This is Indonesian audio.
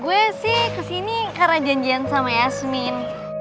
gue sih kesini karena janjian sama yasmin